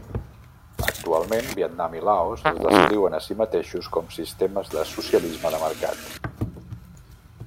Actualment Vietnam i Laos es descriuen a si mateixos com sistemes de socialisme de mercat.